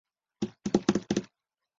是晋煤外运的南通路之一。